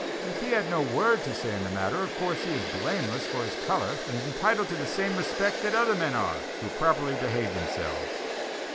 If he had no word to say in the matter of course he is blameless for his color, and is entitled to the same respect that other men are who properly behave themselves!"